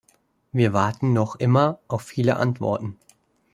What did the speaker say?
Wir warten noch immer auf viele Antworten.